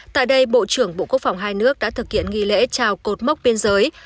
tại đây bộ trưởng bộ quốc phòng hai nước đã thực hiện nghi lễ chào cột mốc biên giới